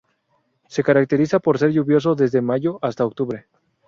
Se caracteriza por ser lluvioso desde mayo hasta octubre.